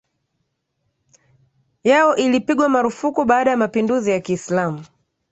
yao ilipigwa marufuku baada ya mapinduzi ya Kiislamu